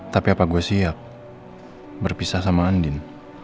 tapi apa gue siap berpisah sama andin